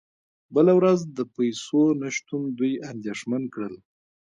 بله ورځ د پیسو نشتون دوی اندیښمن کړل